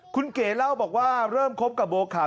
คุณเก๋เล่าบอกว่าเริ่มคบกับบัวขาว